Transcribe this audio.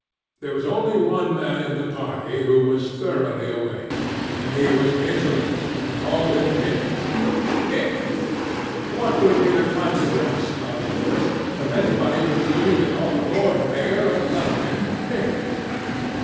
There was only one man in the party who was thoroughly awake; and he was insolent, and called him Nick. Nick! What would be the consequence, thought Nicholas, of anybody presuming to call the Lord Mayor of London 'Nick!